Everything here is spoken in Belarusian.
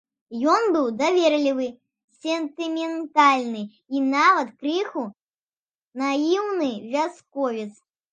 Ён быў даверлівы, сентыментальны, і нават крыху наіўны вясковец.